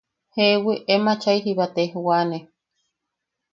–Jeewi, em achai jiba tejwane.